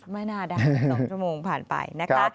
ไม่น่าได้๒ชั่วโมงผ่านไปนะคะ